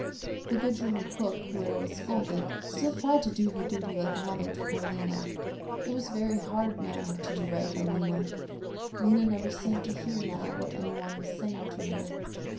The good german cook who had always scolded, still tried to do her duty like a mother to poor Lena. It was very hard now to do right by Lena. Lena never seemed to hear now what anyone was saying to her.